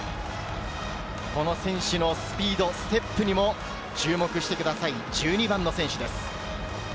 この選手のスピード、ステップにも注目してください、１２番の選手です。